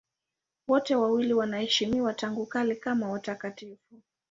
Wote wawili wanaheshimiwa tangu kale kama watakatifu.